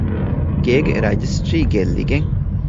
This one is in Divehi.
ގޭގެ ރަޖިސްޓްރީ ގެއްލިގެން